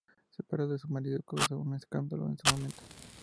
Separada de su marido, causó un escándalo en su momento.